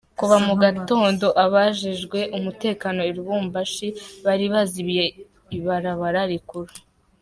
Kuva mu gatondo, abajejwe umutekano i Lubumbashi bari bazibiye ibarabara rikuru.